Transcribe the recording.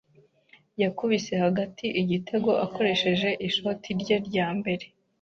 Yakubise hagati igitego akoresheje ishoti rye rya mbere.